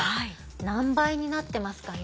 何倍になってますかね。